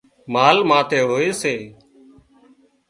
مال ماٿي هوئي سي